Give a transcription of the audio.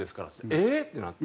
「ええー！」ってなって。